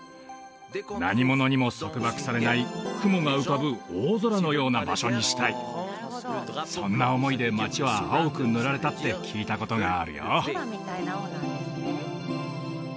何者にも束縛されない雲が浮かぶ大空のような場所にしたいそんな思いで街は青く塗られたって聞いたことがあるよ